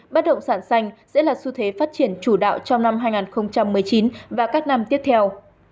bất động sản xanh sẽ là xu thế phát triển chủ đạo trong năm hai nghìn một mươi chín và các năm tiếp theo